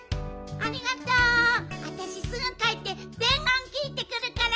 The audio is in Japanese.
あたしすぐかえってでんごんきいてくるから。